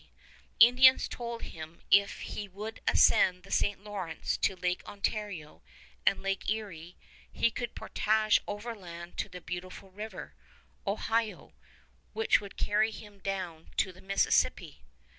The Indians told him if he would ascend the St. Lawrence to Lake Ontario and Lake Erie, he could portage overland to the Beautiful River, Ohio, which would carry him down to the Mississippi.